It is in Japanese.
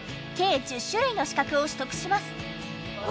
計１０種類の資格を取得します。